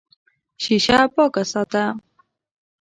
شیشه پاکه ساته.